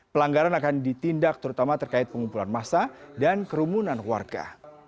pelanggaran akan ditindak terutama terkait pengumpulan massa dan kerumunan warga